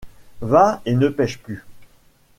Va et ne pèche plus.